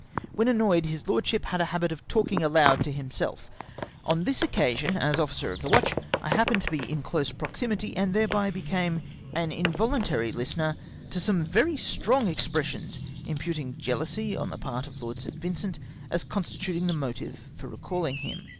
Wlien annoyed, his lordsliip had a habit of talking aloud to himself On this occasion, as officer of the watch, T happened to be in close prox imity, and thereby became an involuntary hstener to some very strong expressions, imputing jealousy on the part of Lord St. Vincent as constituting the motive for recaUing him.